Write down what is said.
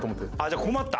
じゃあ困った？